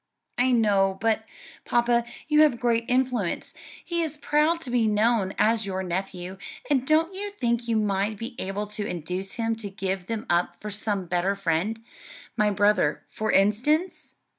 "I know; but, papa, you have great influence; he is proud to be known as your nephew; and don't you think you might be able to induce him to give them up for some better friend; my brother, for instance?